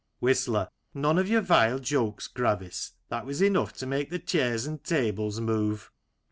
Whistler: None of your vile jokes, Gravis, that was enough to make the chairs and tables move.